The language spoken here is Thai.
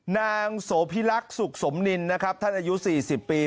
นางโสพิรักษ์สุขสมนินนะครับท่านอายุ๔๐ปี